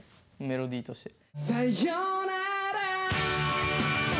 メロディーとして。